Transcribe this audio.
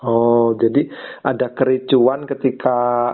oh jadi ada kericuan ketika